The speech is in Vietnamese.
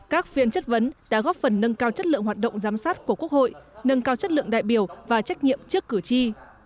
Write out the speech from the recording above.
các phiên chất vấn đã góp phần nâng cao chất lượng hoạt động giám sát của quốc hội nâng cao chất lượng đại biểu và trách nhiệm trước cử tri